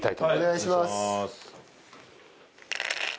お願いします。